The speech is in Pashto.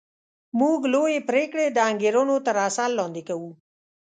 موږ لویې پرېکړې د انګېرنو تر اثر لاندې کوو